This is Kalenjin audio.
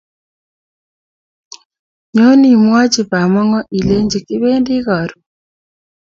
Nyon imachi bamonho ilechi kipendi karun